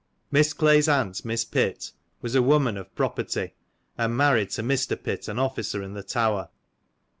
Miss Clay's aunt, Mrs. Pitt, was a woman of pro perty, and married to Mr. Pitt, an officer in the Tower.